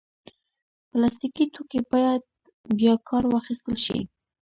پلاستيکي توکي باید بیا کار واخیستل شي.